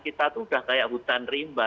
kita itu sudah kayak hutan rimba